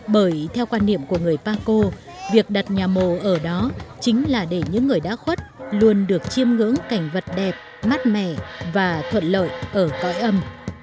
bởi theo quan niệm của người paco việc đặt nhà mồ ở đó chính là để những người đã khuất luôn được chiêm ngưỡng cảnh vật đẹp mát mẻ và thuận lợi ở cõi âm